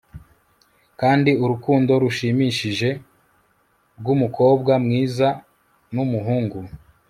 Kandi urukundo rushimishije rwumukobwa mwiza numuhungu